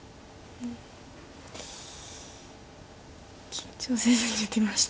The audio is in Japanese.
緊張せずに打てました。